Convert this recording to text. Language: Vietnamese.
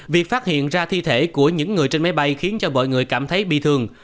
việc phát hiện ra thi thể của những người trên máy bay khiến cho mọi người cảm thấy bị thương